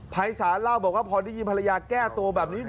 ภัยศาลเล่าบอกว่าพอได้ยินภรรยาแก้ตัวแบบนี้